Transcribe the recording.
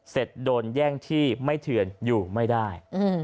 โดนแย่งที่ไม่เถื่อนอยู่ไม่ได้